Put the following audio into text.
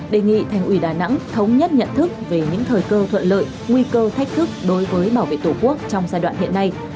đề nghị thành ủy đà nẵng thống nhất nhận thức về những thời cơ thuận lợi nguy cơ thách thức đối với bảo vệ tổ quốc trong giai đoạn hiện nay